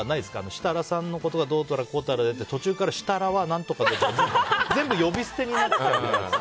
設楽さんのことがどうたらこうたらで途中から設楽は何とかでって全部、呼び捨てになってたり。